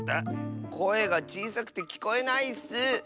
こえがちいさくてきこえないッス！